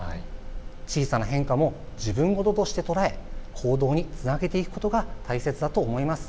小さな変化も自分事として捉え行動につなげていくことが大切だと思います。